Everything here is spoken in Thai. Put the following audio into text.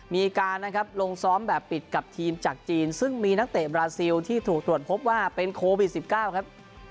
มีการนะครับลงซ้อมแบบปิดกับทีมจากจีนซึ่งมีนักเตะบราซิลที่ถูกตรวจพบว่าเป็นโควิด๑๙ครับ